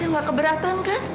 na fadil gak keberatan kan